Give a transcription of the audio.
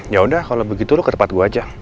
ya udah kalau begitu lu ke tempat gue aja